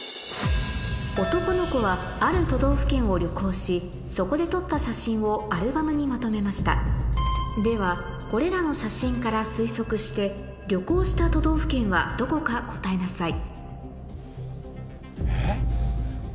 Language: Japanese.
男の子はある都道府県を旅行しそこで撮った写真をアルバムにまとめましたではこれらの写真から推測して旅行した都道府県はどこか答えなさいえ？